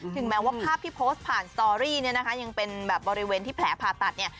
ถึงแม้ว่าภาพที่โพสต์ผ่านสตอรี่เนี่ยนะคะยังเป็นแบบบริเวณที่แผลผ่าตัดเนี่ย